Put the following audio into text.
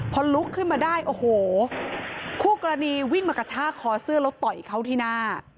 พอลุกขึ้นมาได้โอ้โหคู่กรณีวิ่งมากระชากคอเสื้อแล้วต่อยเขาที่หน้า